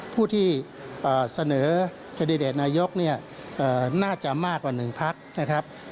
ผู้ที่เสนอเครดิเดชนายกน่าจะมากกว่าหนึ่งพักนะครับ